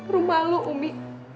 rum malu umi